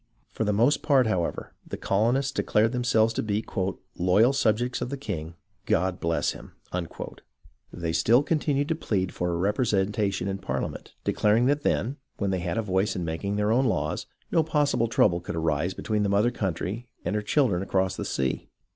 For the most part, however, the colonists declared themselves to be "loyal subjects of the king — God bless him!" They still continued to plead for a representation in Parliament, declaring that then, when they had a voice in making their own laws, no possible trouble could arise between the mother country and her children across the sea.